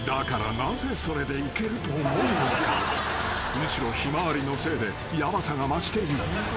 ［むしろヒマワリのせいでヤバさが増している］